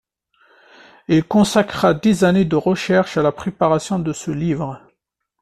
Il consacra dix années de recherches à la préparation de ce livre.